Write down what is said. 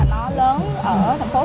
ít có những cái trải nghiệm